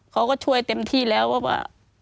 เขาก็ช่วยเต็มที่แล้วว่า